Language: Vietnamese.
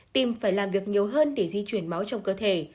tìm phải làm việc nhiều hơn để di chuyển máu trong cơ thể